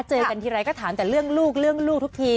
เจอกันทีไร้ก็ถามแต่เรื่องลูกทุกที